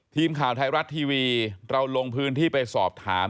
ทีมข่าวไทยรัฐทีวีเราลงพื้นที่ไปสอบถาม